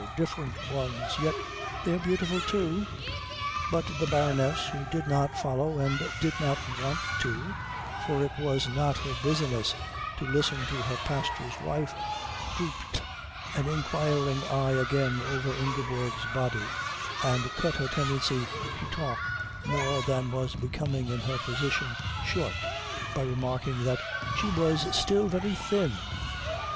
Different ones. Yet they're beautiful, too." But the Baroness, who did not follow and did not want to, for it was not her business to listen to her pastor's wife, drooped an inquiring eye again over Ingeborg's body and cut her tendency to talk more than was becoming in her position short by remarking that she was still very thin.